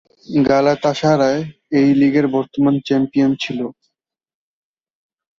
গালাতাসারায় এই লীগের বর্তমান চ্যাম্পিয়ন ছিল।